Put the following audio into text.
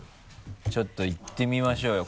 ちょっといってみましょうよ。